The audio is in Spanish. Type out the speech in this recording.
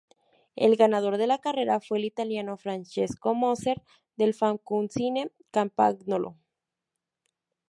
El ganador de la carrera fue el italiano Francesco Moser del Famcucine-Campagnolo.